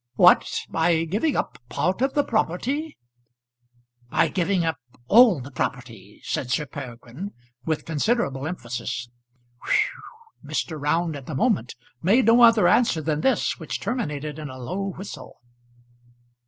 "What; by giving up part of the property?" "By giving up all the property," said Sir Peregrine, with considerable emphasis. "Whew w w." Mr. Round at the moment made no other answer than this, which terminated in a low whistle.